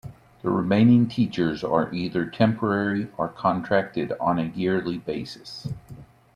The remaining teachers are either temporary or contracted on a yearly basis.